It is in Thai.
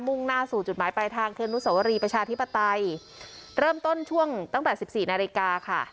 ่งหน้าสู่จุดหมายปลายทางคือนุสวรีประชาธิปไตยเริ่มต้นช่วงตั้งแต่สิบสี่นาฬิกาค่ะ